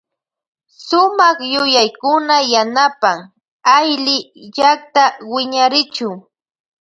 Sumak yuyaykuna yanapan aylly llakta wiñarichu.